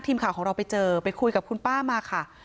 ทีมข่าวของเราไปเจอไปคุยกับคุณป้ามาค่ะ